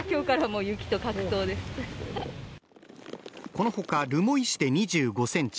このほか留萌市で２５センチ